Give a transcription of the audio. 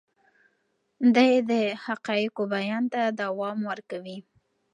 دی د حقایقو بیان ته دوام ورکوي.